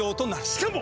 しかも！